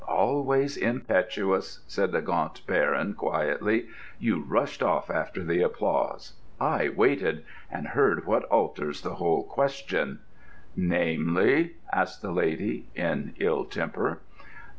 "Always impetuous!" said the Gaunt Baron quietly. "You rushed off after the applause: I waited, and heard what alters the whole question." "Namely——?" asked the Lady, in ill temper.